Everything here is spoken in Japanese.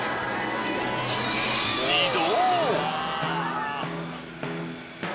自動！